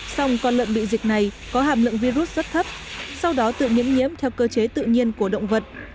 sông con lợn bị dịch này có hàm lượng virus rất thấp sau đó tự nhiễm nhiễm theo cơ chế tự nhiên của động vật